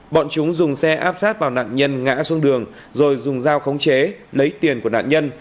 bọn chúng dùng xe áp sát vào nạn nhân ngã xuống đường rồi dùng dao khống chế lấy tiền của nạn nhân